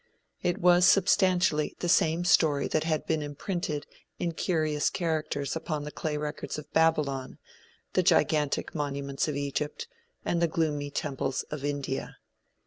It was substantially the same story that had been imprinted in curious characters upon the clay records of Babylon, the gigantic monuments of Egypt, and the gloomy temples of India.